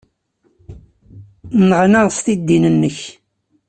Nneɣnaɣ s tiddit-nnek.